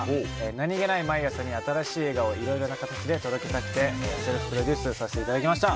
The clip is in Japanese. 何気ない毎朝に、新しい笑顔をいろいろな形で届けたくてセルフプロデュースしました。